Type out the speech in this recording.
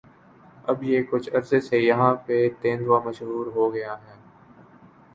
اب یہ کچھ عرصے سے یہاں پہ تیندوا مشہور ہوگیاہے